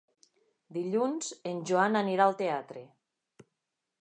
Dilluns en Joan anirà al teatre.